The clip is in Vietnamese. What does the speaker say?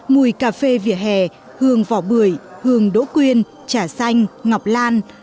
mùi cà phê vỉa hè hương vỏ bưởi hương đỗ quyên trà xanh ngọc lan